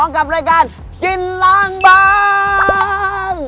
กับรายการกินล้างบาง